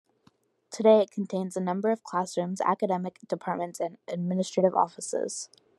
Today, it contains a number of classrooms, academic departments, and administrative offices.